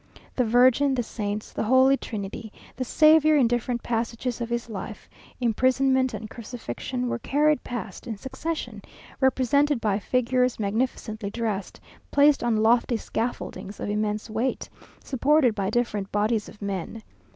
The Virgin, the Saints, the Holy Trinity, the Saviour in different passages of his life, imprisonment and crucifixion, were carried past in succession, represented by figures magnificently dressed, placed on lofty scaffoldings of immense weight, supported by different bodies of men.